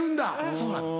そうなんです。